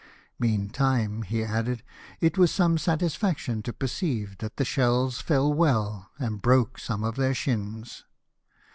Meantime," he added, " it was some satisfaction to perceive that the shells fell well and broke some of their shins."